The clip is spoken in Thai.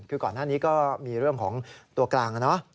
คือก่อนหน้านี้ก็มีเรื่องของตัวกลางนะ